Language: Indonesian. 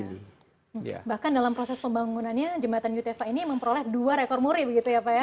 jadi dalam proses pembangunannya jembatan yoteva ini memperoleh dua rekor muri begitu ya pak ya